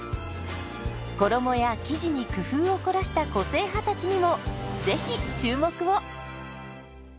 衣や生地に工夫を凝らした個性派たちにもぜひ注目を！